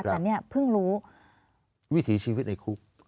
แต่เนี่ยเพิ่งรู้วิถีชีวิตในคุก